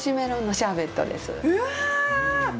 うわ！